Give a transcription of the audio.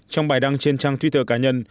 trong bài đăng trên trang twitter cá nhân